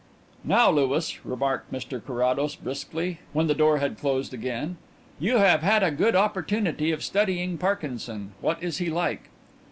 "Now, Louis," remarked Mr Carrados briskly, when the door had closed again, "you have had a good opportunity of studying Parkinson. What is he like?"